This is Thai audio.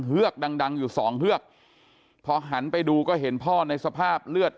ือกดังดังอยู่สองเฮือกพอหันไปดูก็เห็นพ่อในสภาพเลือด